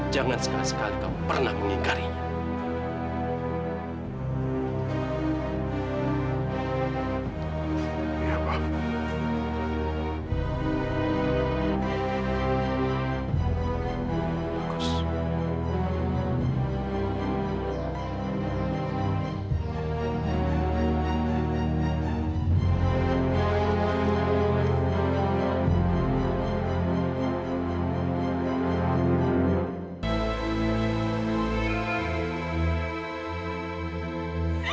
jangan sekali sekali kamu pernah mengingatkan dia